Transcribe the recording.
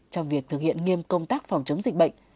trong việc thực hiện nghiêm công tác phòng chống dịch bệnh